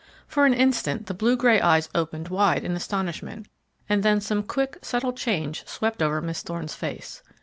For an instant the blue gray eyes opened wide in astonishment, and then some quick, subtle change swept over Miss Thorne's face.